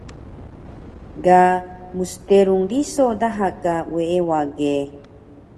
Ga msterung riso daha ka weewa ge